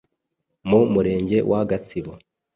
mu Murenge wa Gatsibo